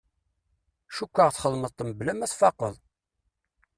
Cukkeɣ txedmeḍ-t mebla ma tfaqeḍ.